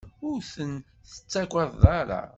Ur ten-tettagadeḍ ara.